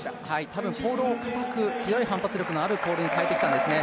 たぶん、ポールをかたく、強い反発力のあるポールにかえてきたんですね。